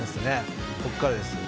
「ここからですよ